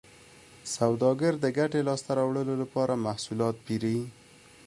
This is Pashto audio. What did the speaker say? سوداګر د ګټې لاسته راوړلو لپاره محصولات پېري